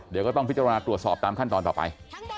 เดี๋ยวก็ต้องพิจารณาตรวจสอบตามขั้นตอนต่อไป